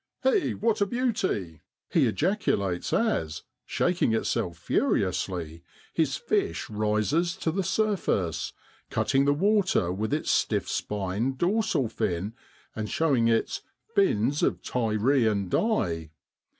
1 Eh! what a beauty! ' he ejaculates as, shaking itself furiously, his fish rises to the surface, cutting the water with its stiff spined dorsal fin and showing its 'fins of Tyrian dye.'